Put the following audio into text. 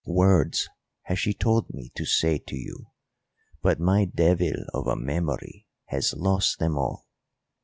Words has she told me to say to you, but my devil of a memory has lost them all.